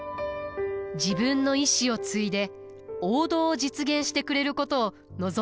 自分の意志を継いで王道を実現してくれることを望んでいたのです。